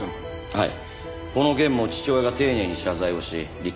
はい。